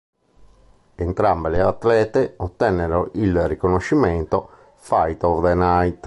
Entrambe le atlete ottennero il riconoscimento Fight of the Night.